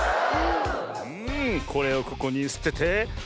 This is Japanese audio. うんこれをここにすててワオー！